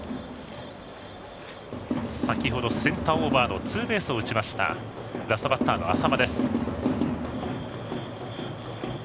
先ほどセンターオーバーのツーベースを打ったラストバッターの淺間。